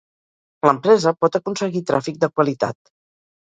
L'empresa pot aconseguir tràfic de qualitat.